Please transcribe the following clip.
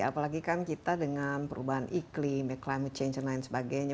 apalagi kan kita dengan perubahan iklim climate change dan lain sebagainya